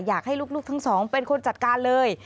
อยากให้ลูกทั้งสองเป็นคนจัดการเลย